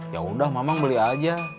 yaudah mamang beli aja